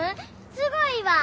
すごいわ！